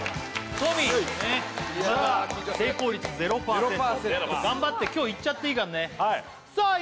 トミーねっまだ成功率０％０％頑張って今日いっちゃっていいからねはいさあい